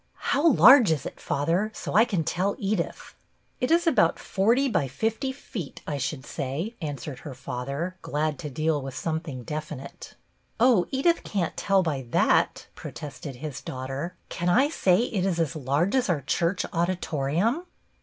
" How large is it, father, so I can tell Edith .?" "It is about forty by fifty feet, I should say," answered her father, glad to deal with something definite. " Oh, Edith can't tell by that," protested his daughter. " Can I say it is as large as our church auditorium